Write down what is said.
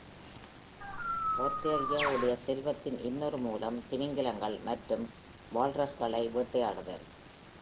Ohthereஉடைய செல்வத்தின் இன்னொரு மூலம், திமிங்கிலங்கள் மற்றும் வால்ரஸ்களை வேட்டையாடுதல்.